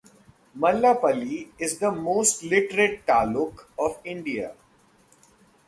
Mallappally is the most literate taluk of India.